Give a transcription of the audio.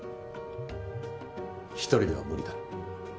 １人では無理だ。